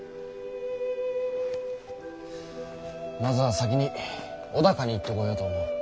まずは先に尾高に行ってこようと思う。